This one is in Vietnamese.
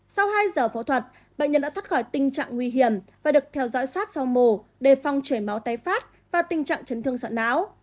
sau hai giờ phẫu thuật bệnh nhân đã thắt khỏi tình trạng nguy hiểm và được theo dõi sát sau mổ để phong trể máu tay phát và tình trạng chấn thương sợ não